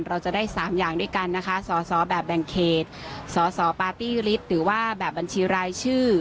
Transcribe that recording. เราจะได้สามอย่างด้วยกันนะคะสอสอแบบแบงเกจสอสอหรือว่าแบบบัญชีรายชื่อ